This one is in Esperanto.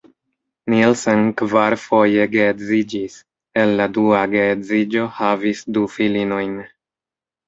Nielsen kvarfoje geedziĝis, el la dua geedziĝo havis du filinojn.